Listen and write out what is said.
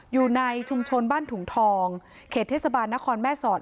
อยู่ในชุมชนบ้านถุงทองเขตเทศบาลนครแม่สอด